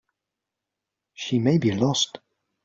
She may be lost.